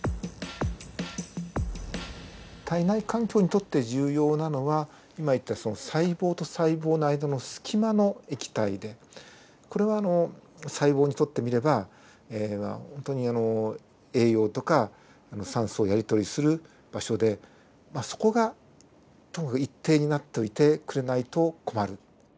体内環境にとって重要なのは今言った細胞と細胞の間の隙間の液体でこれはあの細胞にとってみればほんとにあの栄養とか酸素をやり取りする場所でそこがともかく一定になっておいてくれないと困る。